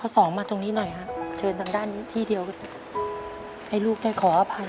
สองมาตรงนี้หน่อยฮะเชิญทางด้านนี้ที่เดียวให้ลูกได้ขออภัย